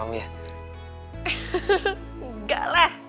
hahaha enggak lah